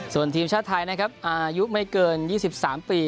ส่วนทีมชาติไทยนะครับอายุไม่เกิน๒๓ปี